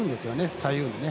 左右にね。